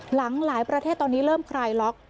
หลายประเทศตอนนี้เริ่มคลายล็อก